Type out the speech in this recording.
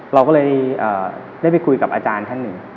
เราก็เลยได้ไปคุยกับอาจารย์ท่านหนึ่ง